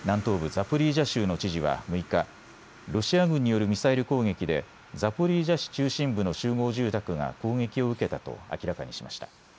ザポリージャ州の知事は６日、ロシア軍によるミサイル攻撃でザポリージャ市中心部の集合住宅が攻撃を受けたと明らかにしました。